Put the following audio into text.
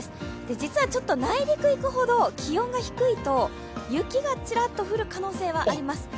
実はちょっと内陸に行くほど気温が低いと雪がちらっと降る可能性はあります。